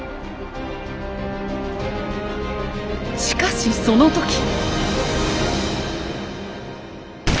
しかしその時。